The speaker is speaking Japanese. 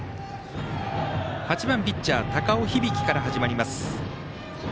８番、ピッチャー高尾響から始まります。